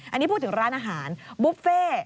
อันนี้พูดถึงร้านอาหารบุฟเฟ่